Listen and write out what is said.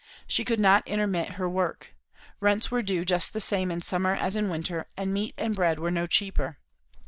She could not intermit her work. Rents were due just the same in summer as in winter, and meat and bread were no cheaper.